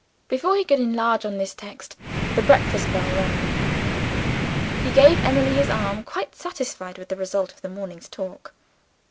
Before he could enlarge on this text, the breakfast bell rang. He gave Emily his arm, quite satisfied with the result of the morning's talk.